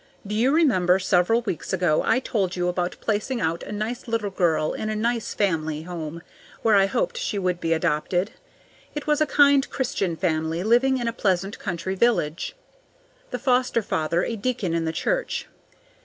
Do you remember several weeks ago I told you about placing out a nice little girl in a nice family home where I hoped she would be adopted? It was a kind Christian family living in a pleasant country village, the foster father a deacon in the church.